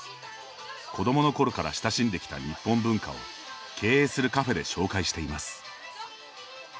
子どものころから親しんできた日本文化を経営するカフェで紹介しています。